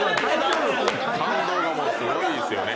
感動がもうすごいですよね。